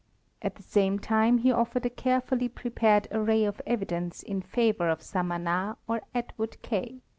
At the same time he offered a carefully prepared array of evidence in favor of Samana or Atwood Cay.